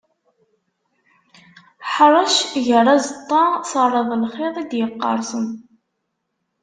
Ḥrec, ger aẓeṭṭa. Terreḍ lxiḍ i d-yeqqarsen.